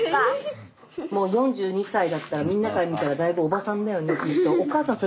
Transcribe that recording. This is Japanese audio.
もう４２歳だったらみんなから見たらだいぶおばさんだよねきっと。